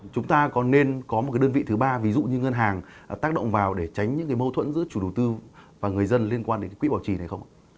chúng ta còn nên có một cái đơn vị thứ ba ví dụ như ngân hàng tác động vào để tránh những cái mâu thuẫn giữa chủ đầu tư và người dân liên quan đến quỹ bảo trì này không ạ